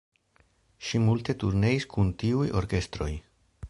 Ŝi multe turneis kun tiuj orkestroj.